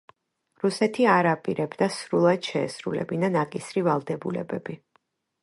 რუსეთი არ აპირებდა სრულად შეესრულებინა ნაკისრი ვალდებულებები.